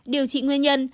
điều trị nguyên nhân